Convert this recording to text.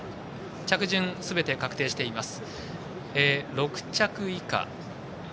着順、すべて確定しています。